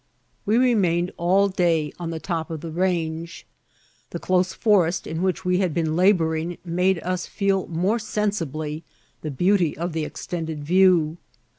We remained all day on the top of the range. The close forest in which we had been labouring made us feel more sensibly the beauty of the extended view.